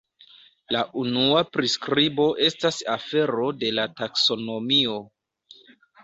La unua priskribo estas afero de la taksonomio.